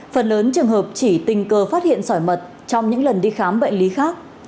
phần lớn trường hợp chỉ tình cờ phát hiện sỏi mật trong những lần đi khám bệnh lý khác